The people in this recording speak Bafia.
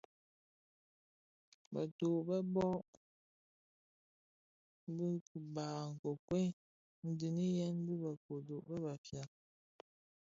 Bë dho be bō bhög bi kpagi a nkokuel ndiňiyèn bi bë kodo bë Bafia.